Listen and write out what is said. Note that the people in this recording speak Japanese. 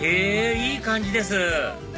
いい感じです